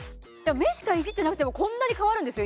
目しかいじってなくてもこんなに変わるんですよ